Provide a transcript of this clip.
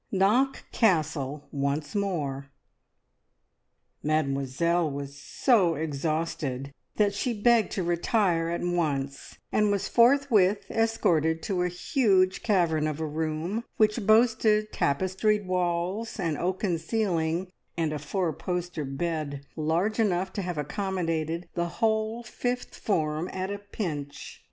KNOCK CASTLE ONCE MORE. Mademoiselle was so exhausted that she begged to retire at once, and was forthwith escorted to a huge cavern of a room, which boasted tapestried walls, an oaken ceiling, and a four poster bed large enough to have accommodated the whole fifth form at a pinch.